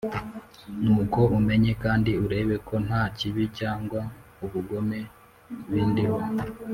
Nuko umenye kandi urebe ko nta kibi cyangwa ubugome bindiho